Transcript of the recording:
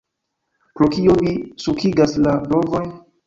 Pro kio vi sulkigas la brovojn?